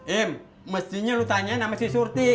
im mestinya lu tanya nama si surti